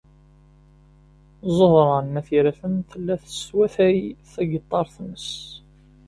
Ẓuhṛa n At Yiraten tella teswatay tagiṭart-nnes.